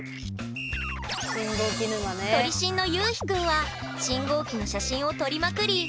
撮り信のゆうひくんは信号機の写真を撮りまくり